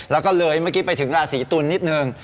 แล้วก็เลยเมื่อกี้ไปถึงราศีตุลนิดนึง